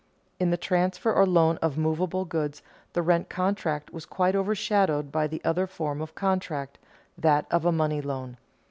In the transfer or loan of movable goods, the rent contract was quite overshadowed by the other form of contract, that of a money loan.